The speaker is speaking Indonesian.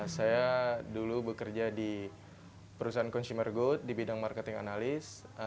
saya dulu bekerja di perusahaan consumer good di bidang marketing analis